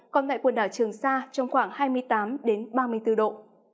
còn tại quần đảo trường sa trong khoảng hai mươi tám ba mươi bốn độ